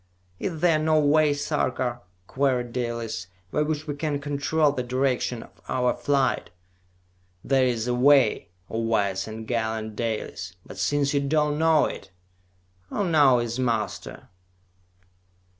"Is there no way, Sarka," queried Dalis, "by which we can control the direction of our flight!" "There is a way, O wise and gallant Dalis! But since you do not know it, who now is master?"